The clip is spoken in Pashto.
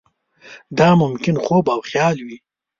دا ممکن خوب او خیال وي.